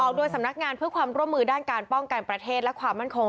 สำนักงานเพื่อความร่วมมือด้านการป้องกันประเทศและความมั่นคง